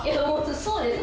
そうです。